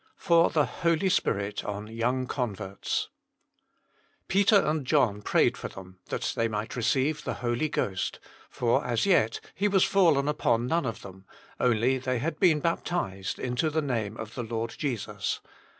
fat fife Holg Spirit on fJouttfl donberls Peter and John prayed for them, that they might receive the Holy Ghost ; for as yet He was fallen upon none of them : only they had been baptized into the name of the Lord Jesus."